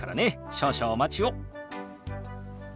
少々お待ちを。